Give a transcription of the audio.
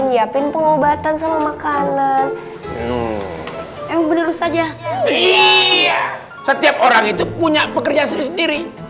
nyiapin pengobatan sama makanan emang bener bener saja setiap orang itu punya pekerjaan sendiri